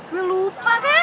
lu lupa kan